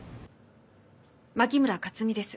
牧村克実です。